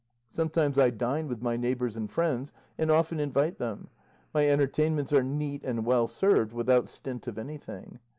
Sometimes I dine with my neighbours and friends, and often invite them; my entertainments are neat and well served without stint of anything.